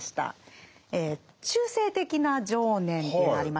「中世的な情念」というのありました。